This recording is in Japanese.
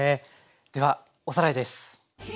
ではおさらいです。